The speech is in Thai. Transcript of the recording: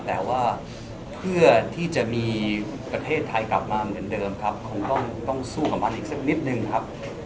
แต่ว่าเพื่อที่จะมีประเทศไทยกลับมาเหมือนเดิมครับคงต้องสู้กับมันอีกสักนิดนึงครับ